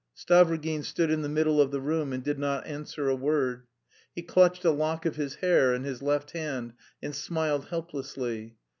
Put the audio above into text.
Stavrogin stood in the middle of the room and did not answer a word. He clutched a lock of his hair in his left hand and smiled helplessly.